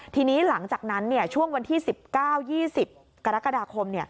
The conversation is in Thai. ทีนี้หลังจากนั้นช่วงวันที่๑๙๒๐กรกฎาคม